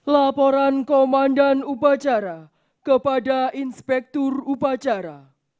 laporan komandan upacara kepada inspektur upacara